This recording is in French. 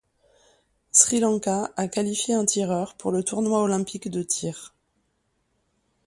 Sri Lanka a qualifié un tireur pour le tournoi olympique de tir.